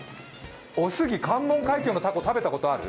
おすぎ、関門海峡のたこ食べたことある？